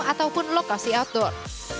ataupun lokasi outdoor